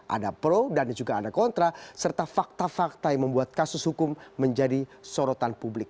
ada pro dan juga ada kontra serta fakta fakta yang membuat kasus hukum menjadi sorotan publik